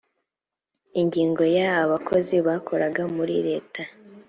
ingingo ya abakozi bakoraga muri leta.